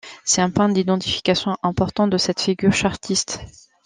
C'est un point d'identification important de cette figure chartiste.